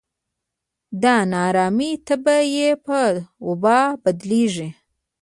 د نا ارامۍ تبه یې په وبا بدلېږي.